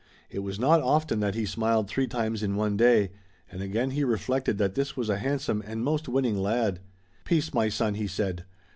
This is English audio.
It was not often that he smiled three times in one day, and again he reflected that this was a handsome and most winning lad. "Peace, my son!" he said.